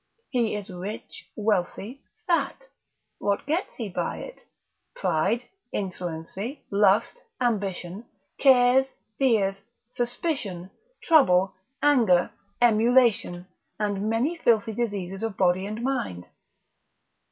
He is rich, wealthy, fat; what gets he by it? pride, insolency, lust, ambition, cares, fears, suspicion, trouble, anger, emulation, and many filthy diseases of body and mind.